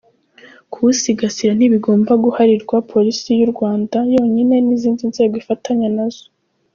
Kuwusigasira ntibigomba guharirwa Polisi y’u Rwanda yonyine n’izindi nzego ifatanya nazo .